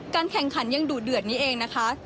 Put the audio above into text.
แข่งขันยังดูเดือดนี้เองนะคะ